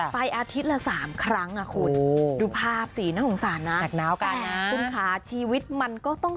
ไปอาทิตย์ละ๓ครั้งละคุณ